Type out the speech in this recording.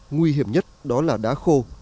nguy hiểm nhất đó là đá khô